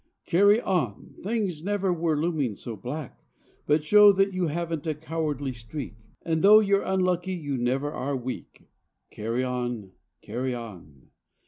Carry on! Things never were looming so black. But show that you haven't a cowardly streak, And though you're unlucky you never are weak. Carry on! Carry on!